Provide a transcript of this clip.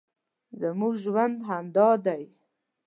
زموږ ژوند همدا دی